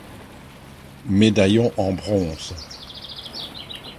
Médaillon en bronze.